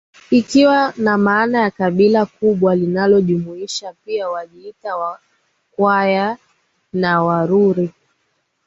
ikiwa na maana ya kabila kubwa linalojumuisha pia Wajita Wakwaya na Waruri